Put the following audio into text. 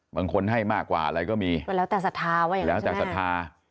บางคนให้มากกว่าอะไรก็มีแล้วแต่สถาว่าอย่างนั้นใช่ไหม